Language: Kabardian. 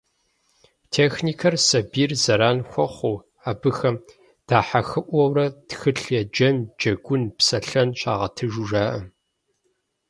Техникэр сабийм зэран хуэхъуу, абыхэм дахьэхыӀуэурэ тхылъ еджэн, джэгун, псэлъэн щагъэтыжу жаӀэ.